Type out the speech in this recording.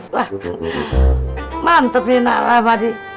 wah mantep nih nak ramadi